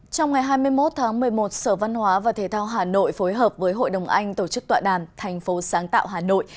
trong ngày hai mươi một tháng một mươi một sở văn hóa và thể thao hà nội phối hợp với hội đồng anh tổ chức tọa đàm thành phố sáng tạo hà nội